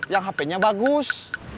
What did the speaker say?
yang hp nya bagus